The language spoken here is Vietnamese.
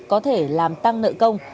có thể làm tăng nợ công